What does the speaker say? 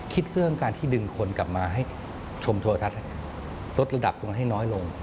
เรื่องการที่ดึงคนกลับมาให้ชมโทรทัศน์ลดระดับลงให้น้อยลง